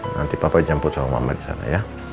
nanti papa jemput sama mama di sana ya